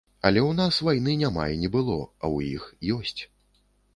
Але ў нас вайны няма і не было, а ў іх ёсць.